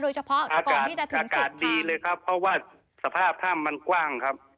โดยเฉพาะก่อนที่จะถึงสุดทางอากาศดีเลยครับเพราะว่าสภาพท่ำมันกว้างครับ